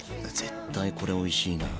絶対これおいしいな。